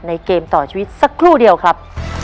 เกมต่อชีวิตสักครู่เดียวครับ